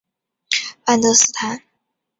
万德斯坦。